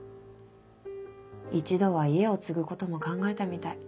一度は家を継ぐことも考えたみたい。